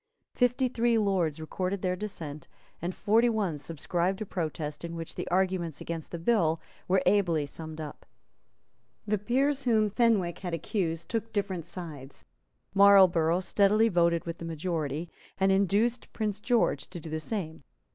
Fifty three Lords recorded their dissent; and forty one subscribed a protest, in which the arguments against the bill were ably summed up. The peers whom Fenwick had accused took different sides. Marlborough steadily voted with the majority, and induced Prince George to do the same.